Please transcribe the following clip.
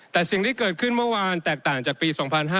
แต่สิ่งที่เกิดขึ้นเมื่อวานแตกต่างจากปี๒๕๕๙